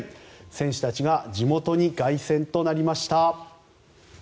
選手たちが地元に凱旋となりました。